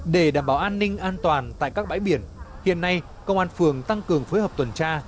để đảm bảo an ninh an toàn tại các bãi biển hiện nay công an phường tăng cường phối hợp tuần tra